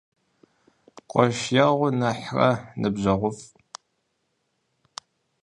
Къуэш егъу нэхърэ ныбжьэгъуфӀ.